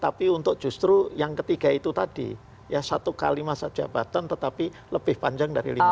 tapi untuk justru yang ketiga itu tadi ya satu kali masa jabatan tetapi lebih panjang dari lima tahun